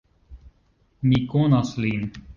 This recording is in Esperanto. Mi konas lin!